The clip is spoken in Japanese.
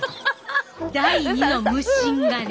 第２の無心がね。